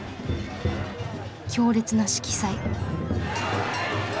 強烈な色彩。